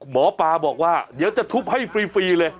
หมอปลาบอกว่าเดี๋ยวจะทุบให้ฟรีเลย